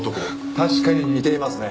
確かに似ていますね。